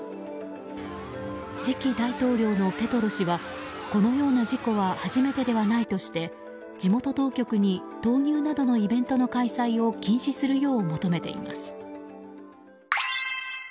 次期大統領のペトロ氏はこのような事故は初めてではないとして地元当局に闘牛などのイベントの開催を禁止するよう求めています。